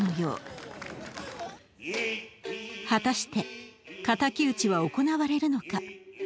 果たして敵討は行われるのか。